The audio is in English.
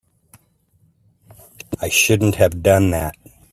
I shouldn't have done that.